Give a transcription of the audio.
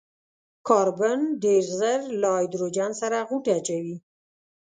کاربن ډېر ژر له هايډروجن سره غوټه اچوي.